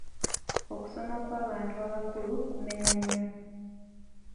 Okusoma kw'abantu abakulu kumenya nnyo.